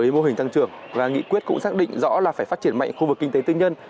với mô hình tăng trưởng và nghị quyết cũng xác định rõ là phải phát triển mạnh khu vực kinh tế tư nhân